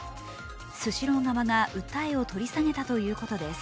スシロー側が訴えを取り下げたということです。